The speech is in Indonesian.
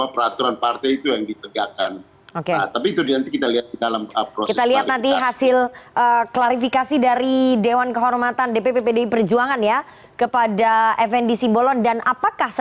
peraturan partai itu yang ditegakkan dpp